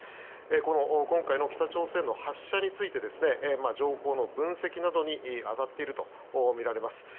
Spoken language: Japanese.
この今回の北朝鮮の発射について情報の分析などに当たっているとみられます。